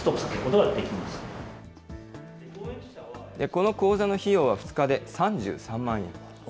この講座の費用は２日で３３万円。